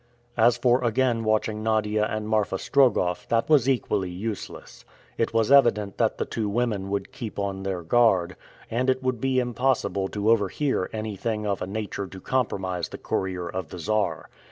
As for again watching Nadia and Marfa Strogoff, that was equally useless. It was evident that the two women would keep on their guard, and it would be impossible to overhear anything of a nature to compromise the courier of the Czar.